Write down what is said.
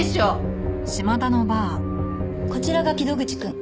こちらが木戸口くん。